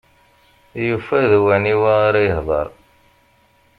Yufa d waniwa ara yehder.